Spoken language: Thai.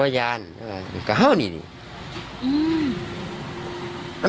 ก็ว่ายานแกเราว่าไงดีแล้ว